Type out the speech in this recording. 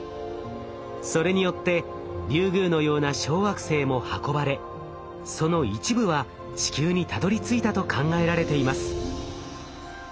それによってリュウグウのような小惑星も運ばれその一部は地球にたどりついたと考えられています。